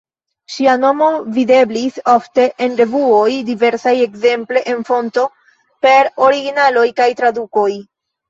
Ŝia nomo videblis ofte en revuoj diversaj, ekzemple en Fonto, per originaloj kaj tradukoj.